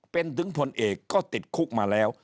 เป็นถึงผลเอกก็ติดคุกมาแล้ว